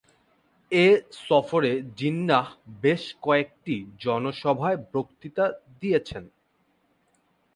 এই সফরে জিন্নাহ বেশ কয়েকটি জনসভায় বক্তৃতা দিয়েছেন।